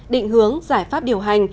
định hướng giải pháp điều hành